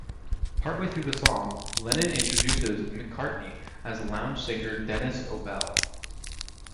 Partway through the song, Lennon introduces McCartney as lounge singer Denis O'Bell.